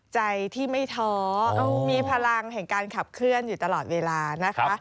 ใจที่ไม่ท้อมีพลังแห่งการขับเคลื่อนอยู่ตลอดเวลานะคะ